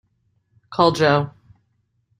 Call Joe.